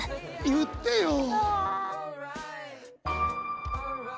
言ってよ。